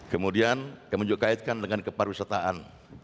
kemudian yang juga kita kaitkan dengan keparwisataan